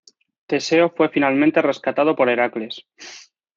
Teseo fue finalmente rescatado por Heracles.